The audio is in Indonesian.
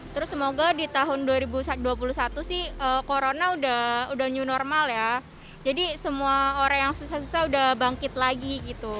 terus semoga di tahun dua ribu dua puluh satu sih corona udah new normal ya jadi semua orang yang susah susah udah bangkit lagi gitu